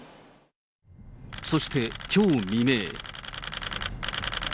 そしてきょう未明。